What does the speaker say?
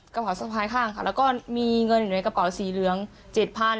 กระเป๋าสะพายข้างค่ะแล้วก็มีเงินอยู่ในกระเป๋าสีเหลือง๗๐๐บาท